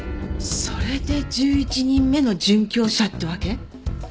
それで「１１人目の殉教者」ってわけ？